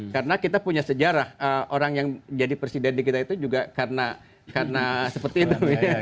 karena kita punya sejarah orang yang jadi presiden di kita itu juga karena seperti itu